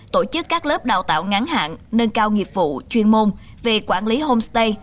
tổ chức các lớp đào tạo ngắn hạn nâng cao nghiệp vụ chuyên môn về quản lý homestay